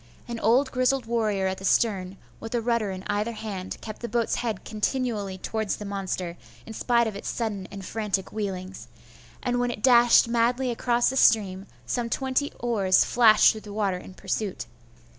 An old grizzled warrior at the stern, with a rudder in either hand, kept the boat's head continually towards the monster, in spite of its sudden and frantic wheelings; and when it dashed madly across the stream, some twenty oars flashed through the water in pursuit.